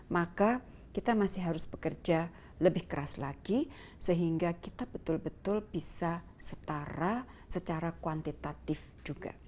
maka kita masih harus bekerja lebih keras lagi sehingga kita betul betul bisa setara secara kuantitatif juga